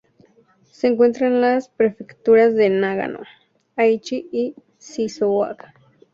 Se encuentra en las prefecturas de Nagano, Aichi y Shizuoka.